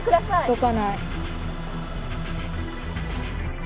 どかない。